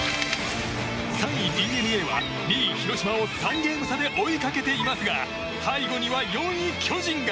３位、ＤｅＮＡは２位、広島を３ゲーム差で追いかけていますが背後には４位、巨人が。